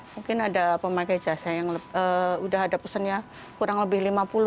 mungkin ada pemakai jasa yang udah ada pesannya kurang lebih lima puluh